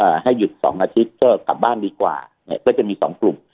ให้หยุดสองอาทิตย์ก็กลับบ้านดีกว่าเนี่ยก็จะมีสองกลุ่ม